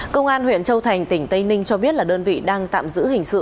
công an huyện châu thành tỉnh tây ninh cho biết là đơn vị đang tạm giữ hình sự